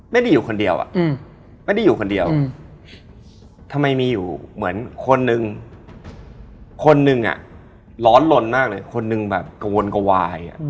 มีคาบเลือดมีอะไร